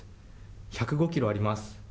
１０５キロあります。